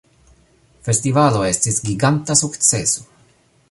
Festivalo estis giganta sukceso